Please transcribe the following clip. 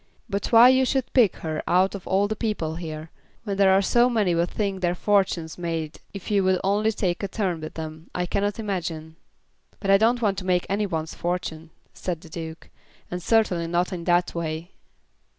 But why you should pick her out of all the people here, when there are so many would think their fortunes made if you would only take a turn with them, I cannot imagine." "But I don't want to make any one's fortune," said the Duke; "and certainly not in that way."